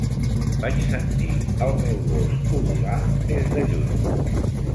Vaig sentir el meu gos udolar des de lluny.